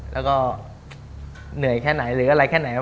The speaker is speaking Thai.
แล้วก็เหนื่อยแค่ไหนหรืออะไรแค่ไหน